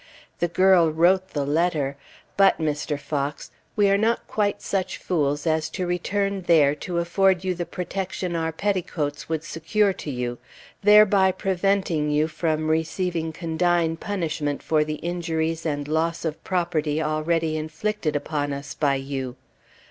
The girl wrote the letter, but, Mr. Fox, we are not quite such fools as to return there to afford you the protection our petticoats would secure to you, thereby preventing you from receiving condign punishment for the injuries and loss of property already inflicted upon us by you.